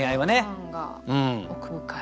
パターンが奥深い。